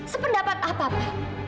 sependapat apa pak